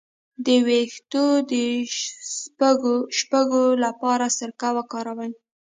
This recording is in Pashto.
د ویښتو د شپږو لپاره سرکه وکاروئ